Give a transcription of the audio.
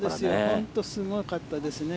本当にすごかったですね